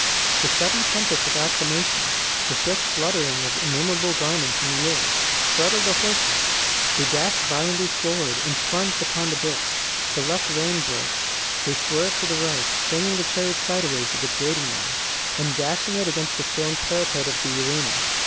The sudden tempest of acclamation, the swift fluttering of innumerable garments in the air, startled the horses. They dashed violently forward, and plunged upon the bits. The left rein broke. They swerved to the right, swinging the chariot sideways with a grating noise, and dashing it against the stone parapet of the arena.